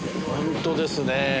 本当ですね。